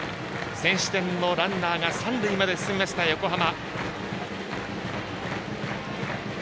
先取点のランナーが三塁まで進んだ横浜。